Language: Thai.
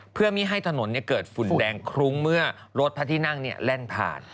เพื่อไม่ให้ถนนเกิดฝุ่นแดงคลุ้งเมื่อรถพระที่นั่งแล่นผ่าน